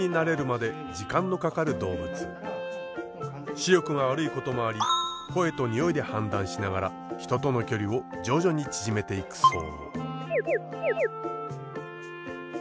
視力が悪いこともあり声と匂いで判断しながら人との距離を徐々に縮めていくそう。